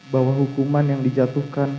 bahwa hukuman yang dijatuhkan